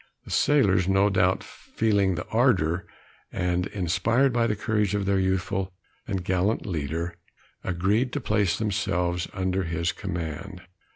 The sailors no doubt feeling the ardor, and inspired by the courage of their youthful and gallant leader, agreed to place themselves under his command.